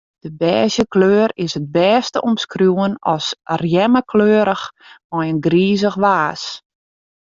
De bêzje kleur is it bêst te omskriuwen as rjemmekleurich mei in grizich waas.